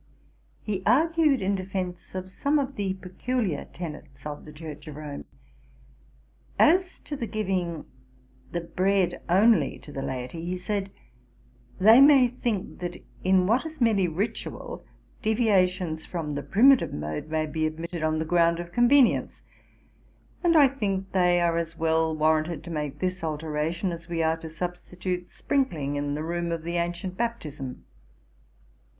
He argued in defence of some of the peculiar tenets of the Church of Rome. As to the giving the bread only to the laity, he said, 'They may think, that in what is merely ritual, deviations from the primitive mode may be admitted on the ground of convenience, and I think they are as well warranted to make this alteration, as we are to substitute sprinkling in the room of the ancient baptism.'